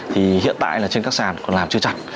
thì hiện tại là trên các sàn còn làm chưa chặt